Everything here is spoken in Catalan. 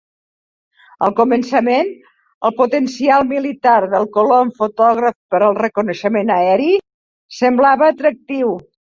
Al començament, el potencial militar del colom fotògraf per al reconeixement aeri semblava atractiu.